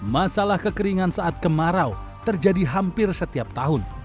masalah kekeringan saat kemarau terjadi hampir setiap tahun